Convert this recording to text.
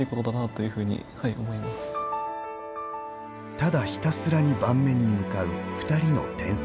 ただひたすらに盤面に向かう２人の天才。